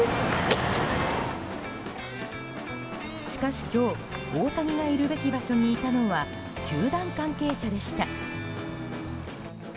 しかし今日、大谷がいるべき場所にいたのは球団関係者でした。